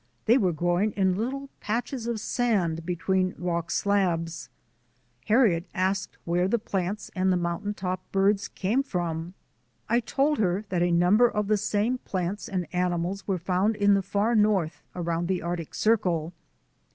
They were growing in little patches of sand between rock slabs. Harriet asked where the plants and the mountain top birds came from. I told her that a number of the same plants and animals were found in the far north around the Arctic Circle.